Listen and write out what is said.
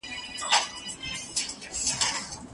د بادار په حلواګانو وي خوشاله